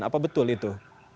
apa betul itu